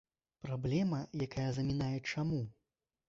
Праблема, якая замінае чаму?